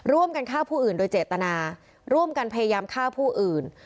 ร่วมกันฆ่าผู้อื่นโดยเจตนาร่วมกันพยายามฆ่าผู้อื่น